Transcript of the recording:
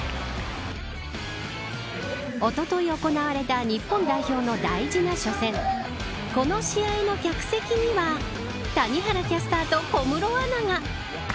おととい行われた日本代表の大事な初戦この試合の客席には谷原キャスターと小室アナが。